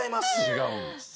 違うんです。